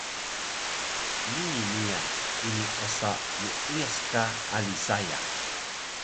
Nii miyan ini osa muuyas ka ali saya